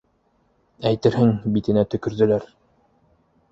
Әйтерһең, битенә төкөрҙөләр.